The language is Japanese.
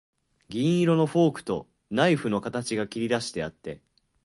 銀色のフォークとナイフの形が切りだしてあって、